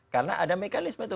karena ada mekanisme itu